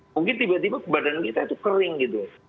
mungkin tiba tiba badan kita itu kering gitu